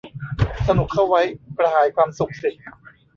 สนุกเข้าไว้ กระหายความสุขสิ